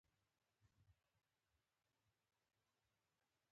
د مۍ پۀ دريمه نېټه پۀ حق اورسېدو